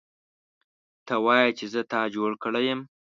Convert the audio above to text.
ته وایې چې زه تا جوړ کړی یم